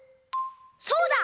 そうだ！